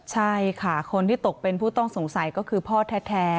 ใช่ค่ะคนที่ตกเป็นผู้ต้องสงสัยก็คือพ่อแท้